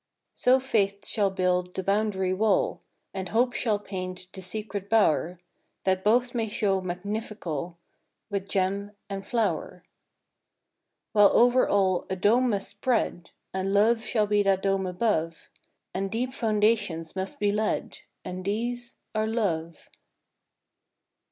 142 FROM QUEENS' GARDENS. So faith shall build the boundary wall And hope shall paint the secret bower, That both may show magnifical With gem and flower. While over all a dome must spread, And love shall be that dome above; And deep foundations must be laid, And these are love.